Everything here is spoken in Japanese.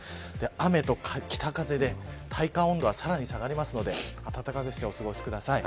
雨と北風で体感温度はさらに下がるので暖かくしてお過ごしください。